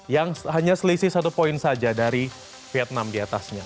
yang hanya selisih satu poin saja dari vietnam diatasnya